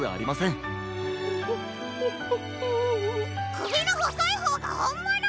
くびのほそいほうがほんもの！？